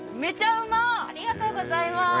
ありがとうございます。